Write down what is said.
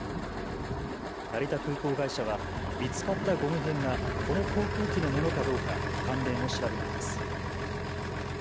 成田空港会社は見つかったゴム片がこの航空機のものかどうか関連を調べています。